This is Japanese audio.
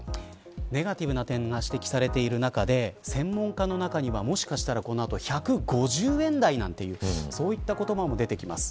ネガティブな点が指摘されている中で専門家の中にはもしかしたらこの後１５０円台なんていうそういった言葉も出てきます。